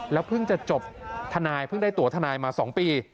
เพิ่งจะจบทนายเพิ่งได้ตัวทนายมา๒ปี